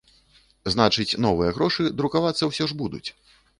Значыць, новыя грошы друкавацца ўсё ж будуць.